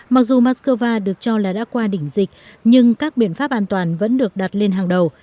mặc dù moscow được cho là đã qua đỉnh dịch nhưng các biện pháp an toàn vẫn được đặt lên hàng đầu